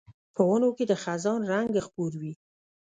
په ونو کې د خزان رنګ خپور وي